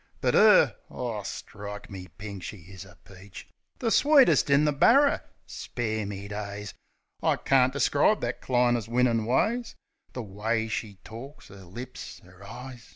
But, 'er! Oh, strike me pink! She is a peach! The sweetest in the barrer! Spare me days, I carn't describe that diner's winnin' ways. The way she torks! 'Er lips! 'Er eyes!